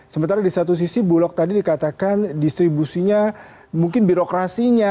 sementara di satu sisi bulog tadi dikatakan distribusinya mungkin birokrasinya